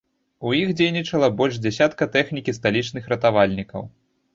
У іх задзейнічана больш дзясятка тэхнікі сталічных ратавальнікаў.